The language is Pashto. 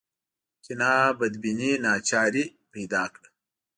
کینه بدبیني ناچاري پیدا کړه